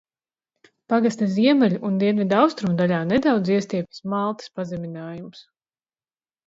Pagasta ziemeļu un dienvidaustrumu daļā nedaudz iestiepjas Maltas pazeminājums.